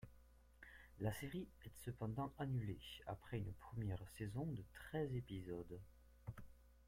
La série est cependant annulée après une première saison de treize épisodes.